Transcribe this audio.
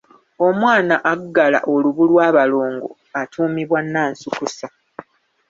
Omwana aggala olubu lw’abalongo atuumibwa Nansukusa.